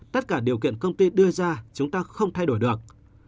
tất cả điều kiện công ty đưa ra chúng ta không thay đổi được